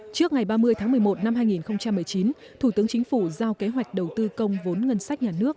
trước ngày ba mươi tháng một mươi một năm hai nghìn một mươi chín thủ tướng chính phủ giao kế hoạch đầu tư công vốn ngân sách nhà nước